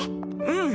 うん。